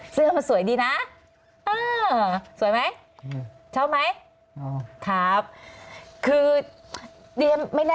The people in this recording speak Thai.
เสื้อเขาสวยดีนะ